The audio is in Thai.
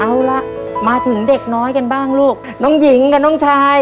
เอาล่ะมาถึงเด็กน้อยกันบ้างลูกน้องหญิงกับน้องชาย